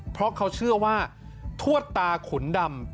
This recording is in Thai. เพราะเขาเชื่อว่าทวดตาขุนดำ